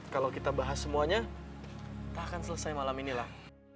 kalau kita bahas semuanya tak akan selesai malam inilah